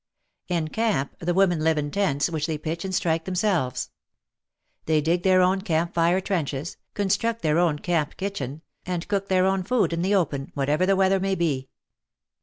In camp the women live in tents, which they pitch and strike themselves. They dig their own camp fire trenches, construct their own camp kitchen, and cook their own food in the open, whatever the weather may be.